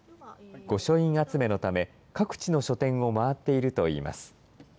御書印集めのため、各地の書店を回っているといいます。